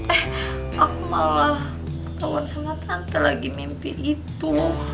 eh aku malah kawan semua tante lagi mimpi itu